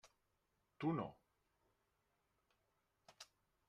Tu no.